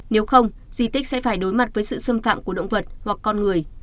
nếu không di tích sẽ phải đối mặt với sự xâm phạm của động vật hoặc con người